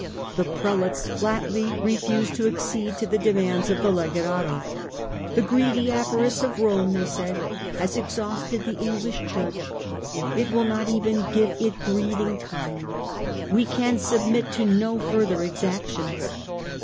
The Prelates flatly refused to accede to the demands of the Legate Otho. " The greedy avarice of Rome," they said, " has exhausted the English Church ; it will not even give it breathing time ; we can submit to no further exactions."